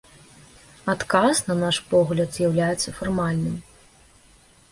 Адказ, на наш погляд, з'яўляецца фармальным.